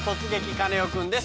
カネオくん」です。